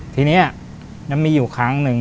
ทีนี้มันมีอยู่ครั้งหนึ่ง